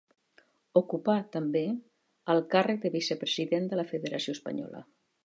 Ocupà també el càrrec de vicepresident de la federació espanyola.